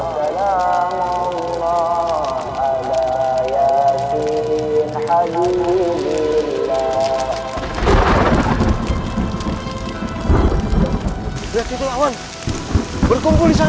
diatir lawan berkumpul disana